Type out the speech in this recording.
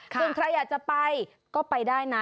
ส่วนใครอยากจะไปก็ไปได้นะ